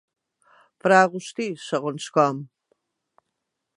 Fra Agustí, segons com.